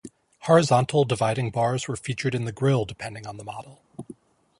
Horizontal dividing bars were featured in the grille depending on the model.